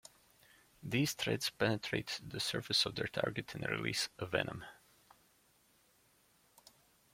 These threads penetrate the surface of their target and release a venom.